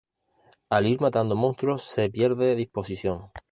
Al ir matando monstruos, se pierde disposición.